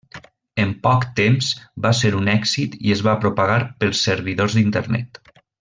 En poc temps va ser un èxit i es va propagar pels servidors d'Internet.